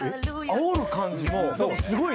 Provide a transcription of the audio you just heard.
あおる感じもなんかすごい。